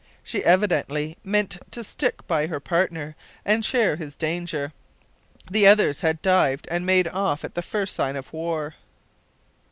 She evidently meant to stick by her partner and share his danger. The others had dived and made off at the first sign of war.